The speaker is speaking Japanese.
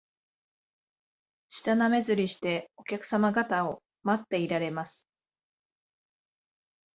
舌なめずりして、お客さま方を待っていられます